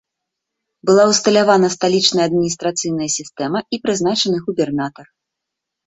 Была ўсталявана сталічная адміністрацыйная сістэма і прызначаны губернатар.